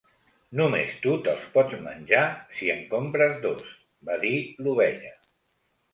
"Només tu te'ls pots menjar si en compres dos", va dir l'Ovella.